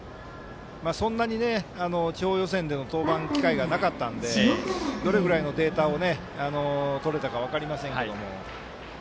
そんなに地方予選の登板機会がなかったのでどれぐらいのデータをとれたか分かりませんけども。